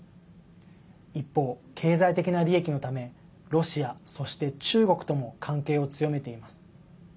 一方、経済的な利益のためロシア、そして中国とも関係を強めています。